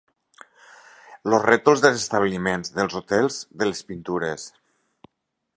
Els rètols dels establiments, dels hotels, de les pintures.